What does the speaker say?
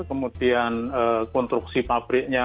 kemudian konstruksi pabriknya